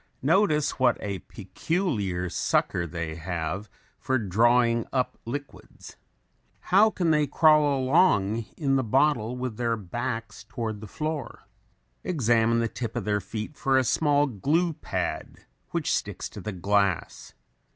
Notice what a peculiar sucker they have for drawing up liquids. How can they crawl along in the bottle with their backs toward the floor? Examine the tip of their feet for a small glue pad which sticks to the glass.